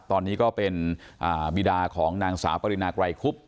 ตอนนี้ก็เป็นบีดาของนางสาวปรินาไกรคุบ